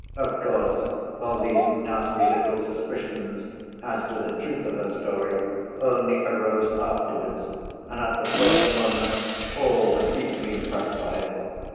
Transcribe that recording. Of course, all these nasty little suspicions as to the truth of her story only arose afterwards and at the first moment all were deeply impressed by it.